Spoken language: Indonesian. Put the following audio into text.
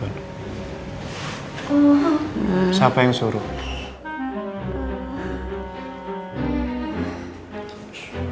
siapa yang suruh